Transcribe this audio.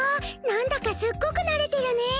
なんだかすっごく慣れてるね。